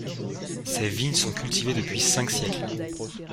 Ses vignes sont cultivées depuis cinq siècles.